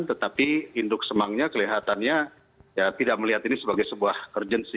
tetapi induk semangnya kelihatannya tidak melihat ini sebagai sebuah urgensi